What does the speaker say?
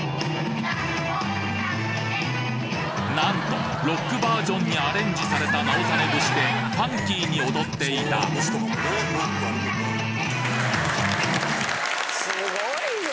なんとロックバージョンにアレンジされた直実節でファンキーに踊っていたすごいよ！